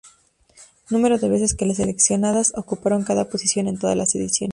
Número de veces que las selecciones ocuparon cada posición en todas las ediciones.